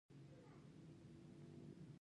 د سیندیا بل استازي انګرېزانو ته اطلاع ورکړه.